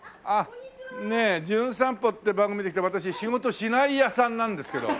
『じゅん散歩』って番組で来た私仕事しない屋さんなんですけど。